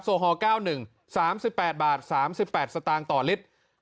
ฮอล๙๑๓๘บาท๓๘สตางค์ต่อลิตร